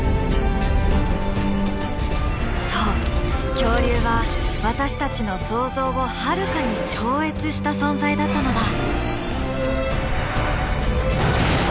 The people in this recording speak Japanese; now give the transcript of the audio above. そう恐竜は私たちの想像をはるかに超越した存在だったのだ。